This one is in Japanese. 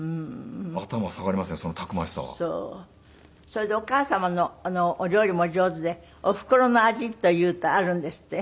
それでお母様のお料理も上手でおふくろの味というとあるんですって？